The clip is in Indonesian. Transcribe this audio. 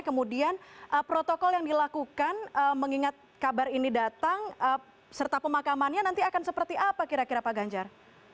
kemudian protokol yang dilakukan mengingat kabar ini datang serta pemakamannya nanti akan seperti apa kira kira pak ganjar